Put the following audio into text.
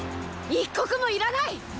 一刻もいらない！